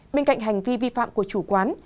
bên cạnh hành vi vi phạm của chủ quán